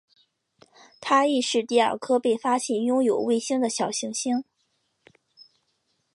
它亦是第二颗被发现拥有卫星的小行星。